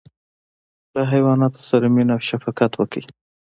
له حیواناتو سره مینه او شفقت وکړئ.